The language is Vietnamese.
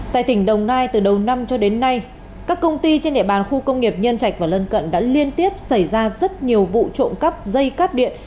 tại tỉnh đồng nai từ đầu năm cho đến nay các công ty trên địa bàn khu công nghiệp nhân trạch và lân cận đã liên tiếp xảy ra rất nhiều vụ trộm cắp dây cắp điện